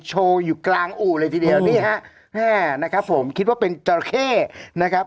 โชว์อยู่กลางอู่เลยทีเดียวนี่ฮะแม่นะครับผมคิดว่าเป็นจราเข้นะครับ